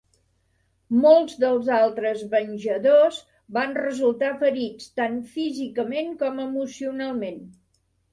Molts dels altres Venjadors van resultar ferits, tant físicament com emocionalment.